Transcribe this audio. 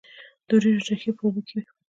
د وریجو ریښې په اوبو کې وي.